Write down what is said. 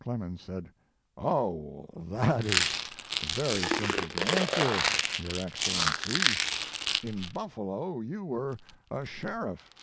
Clemens said: "Oh, that is very simple to answer, your Excellency. In Buffalo you were a sheriff.